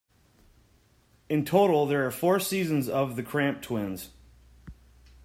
In total there are four seasons of "The Cramp Twins".